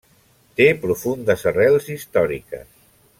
Té profundes arrels històriques.